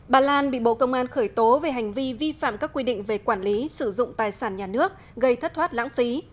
bà lan bị bộ công an khởi tố về hành vi vi phạm các quy định về quản lý sử dụng tài sản nhà nước gây thất thoát lãng phí